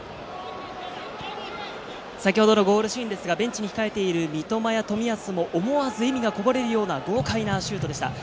先ほどのゴールシーンですが、ベンチに控えている三笘や冨安も思わず笑みがこぼれるような豪快なシュートでした。